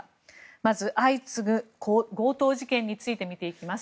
まず相次ぐ強盗事件について見ていきます。